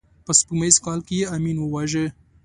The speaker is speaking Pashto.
په سپوږمیز کال کې یې امین وواژه.